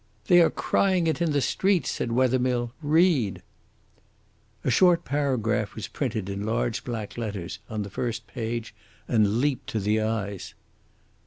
"They are crying it in the streets," said Wethermill. "Read!" A short paragraph was printed in large black letters on the first page, and leaped to the eyes.